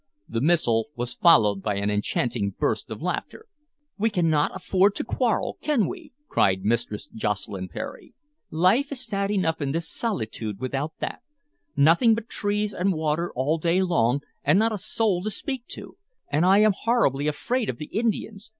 The missile was followed by an enchanting burst of laughter. "We cannot afford to quarrel, can we?" cried Mistress Jocelyn Percy. "Life is sad enough in this solitude without that. Nothing but trees and water all day long, and not a soul to speak to! And I am horribly afraid of the Indians!